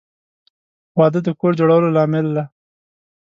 • واده د کور جوړولو لامل دی.